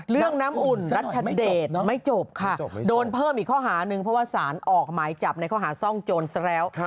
เรื่องน้ำอุ่นรัชเดชไม่จบค่ะโดนเพิ่มอีกข้อหานึงเพราะว่าสารออกหมายจับในข้อหาซ่องโจรซะแล้ว